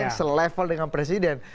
yang selevel dengan presiden